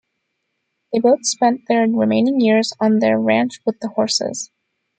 They both spent their remaining years on their ranch with the horses.